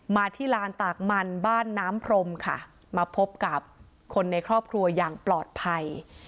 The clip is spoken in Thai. มาที่ลานตากมันบ้านน้ำพรมค่ะมาพบกับคนในครอบครัวอย่างปลอดภัย